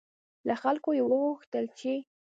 له خلکو یې وغوښتل چې